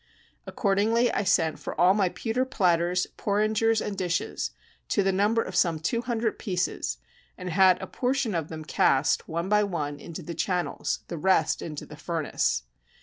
Accordingly I sent for all my pewter platters, porringers, and dishes, to the number of some two hundred pieces, and had a portion of them cast, one by one, into the channels, the rest into the furnace.